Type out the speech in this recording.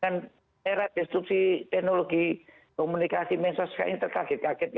kan era distruksi teknologi komunikasi mensosial ini terkaget kaget